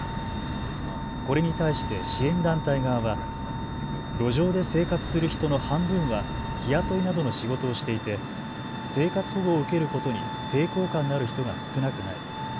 これに対して支援団体側は路上で生活する人の半分は日雇いなどの仕事をしていて生活保護を受けることに抵抗感のある人が少なくない。